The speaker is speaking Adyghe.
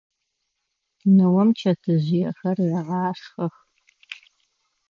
Ныом чэтжъыехэр егъашхэх.